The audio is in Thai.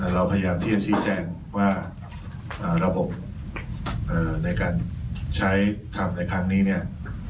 เราพยายามที่จะชี้แจงว่าระบบในการใช้ทำในครั้งนี้เนี่ย